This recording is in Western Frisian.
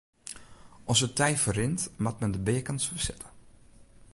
As it tij ferrint moat men de beakens fersette.